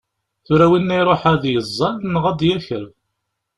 Tura winna iruḥ ad yeẓẓal neɣ ad d-yaker?